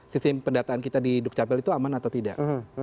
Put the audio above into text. sistem pendataan kita di dukcapil itu aman atau tidak